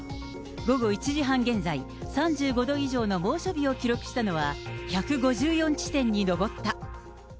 午後１時半現在、３５度以上の猛暑日を記録したのは１５４地点に上った。